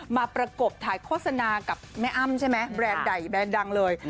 ประกบถ่ายโฆษณากับแม่อ้ำใช่ไหมแบรนด์ใดแบรนด์ดังเลย